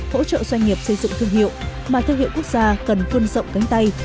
hỗ trợ doanh nghiệp xây dựng thương hiệu mà thương hiệu quốc gia cần phân rộng cánh tay